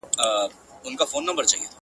التفات دي د نظر نظر بازي کوي نیاز بیني.